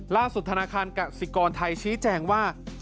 ล่าสุดธนาคารกษิกรไทยชี้แจ้งว่า